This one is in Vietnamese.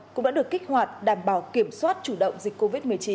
cũng đã được kích hoạt đảm bảo kiểm soát chủ động dịch covid một mươi chín